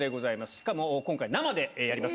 しかも今回、生でやります。